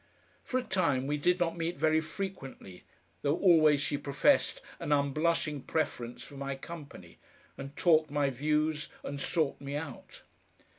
For a time we did not meet very frequently, though always she professed an unblushing preference for my company, and talked my views and sought me out.